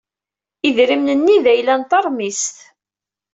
Idrimen-nni d ayla n teṛmist.